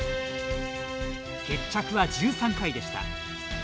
決着は１３回でした。